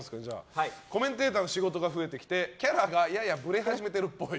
コメンテーターの仕事が増えてきてキャラがややぶれ始めてるっぽい。